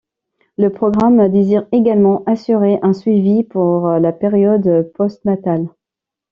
Le programme désire également assurer un suivi pour la période postnatale.